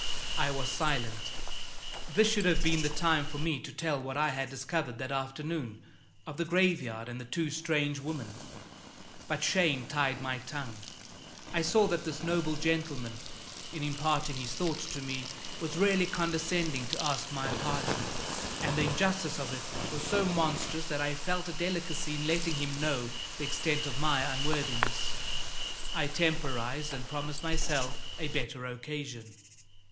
I was silent. This should have been the time for me to tell what I had discovered that afternoon; of the graveyard and the two strange women. But shame tied my tongue. I saw that this noble gentleman, in imparting his thoughts to me, was really condescending to ask my pardon; and the injustice of it was so monstrous that I felt a delicacy in letting him know the extent of my unworthiness. I temporized, and promised myself a better occasion.